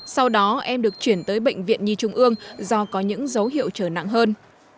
sau đó em được chuyển tới bệnh viện nhi trung ương do có những dấu hiệu trở nặng hơn